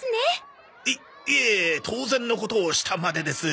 いいえ当然のことをしたまでです。